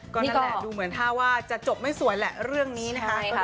ก็นั่นแหละดูเหมือนท่าว่าจะจบไม่สวยแหละเรื่องนี้นะคะ